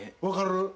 分かる？